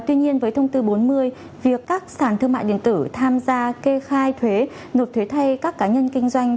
tuy nhiên với thông tư bốn mươi việc các sản thương mại điện tử tham gia kê khai thuế nộp thuế thay các cá nhân kinh doanh